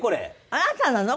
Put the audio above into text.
あなたなの？